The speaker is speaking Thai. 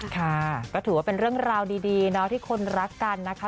ค่ะก็ถือว่าเป็นเรื่องราวดีเนาะที่คนรักกันนะคะ